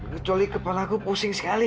kecuali kepala aku pusing sekali